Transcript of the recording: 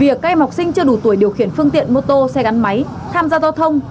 việc các em học sinh chưa đủ tuổi điều khiển phương tiện mô tô xe gắn máy tham gia giao thông